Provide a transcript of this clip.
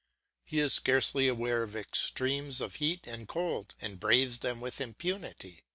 He is scarcely aware of extremes of heat and cold and braves them with impunity.